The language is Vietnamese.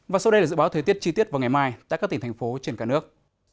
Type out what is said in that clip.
và sau đây là dự báo thời tiết chi tiết vào ngày mai tại các tỉnh thành phố trên cả nước